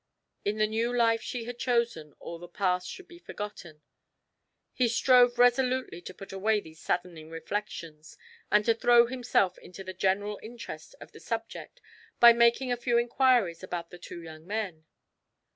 In the new life she had chosen all the past should be forgotten. He strove resolutely to put away these saddening reflections, and to throw himself into the general interest of the subject by making a few inquiries about the two young men.